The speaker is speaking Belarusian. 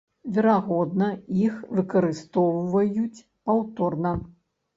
Верагодна, іх выкарыстоўваюць паўторна.